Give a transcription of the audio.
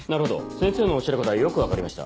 先生のおっしゃることはよく分かりました。